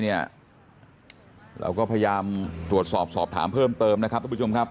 เราก็พยายามตรวจสอบสอบถามเพิ่มเติมนะครับทุกผู้ชมครับ